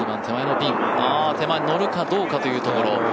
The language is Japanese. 手前のピン、乗るかどうかというところ。